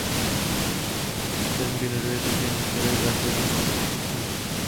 Systém generuje také některé základní statistiky.